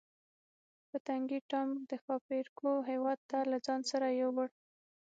پتنګې ټام د ښاپیرکو هیواد ته له ځان سره یووړ.